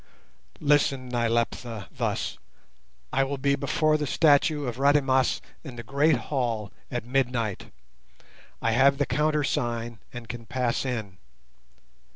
"Listen, Nyleptha, thus. I will be before the statue of Rademas in the great hall at midnight. I have the countersign and can pass in.